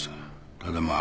ただまあ